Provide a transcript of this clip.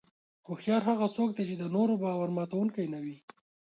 هوښیار څوک دی چې د نورو باور ماتوونکي نه وي.